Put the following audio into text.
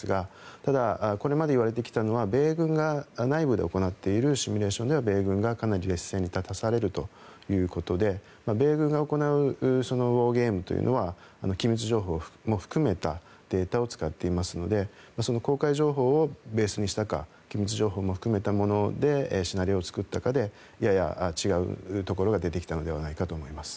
ただ、これまでいわれてきたのは米軍が内部で行っているシミュレーションでは米軍がかなり劣勢に立たされるということで米軍が行うゲームというのは機密情報も含めたデータを使っていますので公開情報をベースにしたか機密情報を含めたものでシナリオを作ったかでやや違うところが出てきたのではないかと思っています。